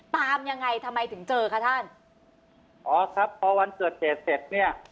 ตามยังไงทำไมถึงเจอคะท่านอ๋อครับพอวันเกิดเหตุเสร็จเนี่ย